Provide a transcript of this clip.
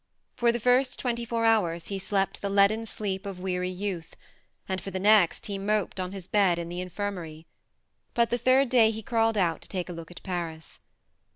For the first twenty four hours he slept the leaden sleep of weary youth, and for the next he moped on his bed in the Infirmary ; but the third day he crawled out to take a look at Paris.